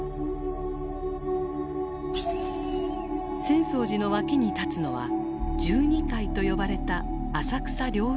浅草寺の脇に立つのは十二階と呼ばれた浅草凌雲閣。